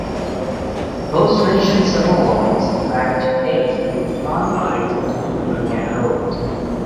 Host nation Samoa was ranked eighth with nine medals including one gold.